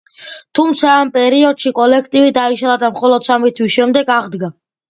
თუმცა, ამ პერიოდში კოლექტივი დაიშალა და მხოლოდ სამი თვის შემდეგ აღდგა.